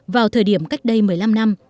vào thời điểm cách đây một mươi năm năm